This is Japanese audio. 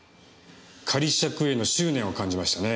仮釈への執念を感じましたね。